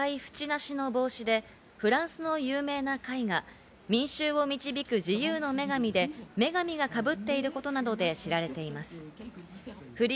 フリジア帽は赤い縁なしの帽子で、フランスの有名な絵画『民衆を導く自由の女神』で女神がかぶっていることなどで知られています。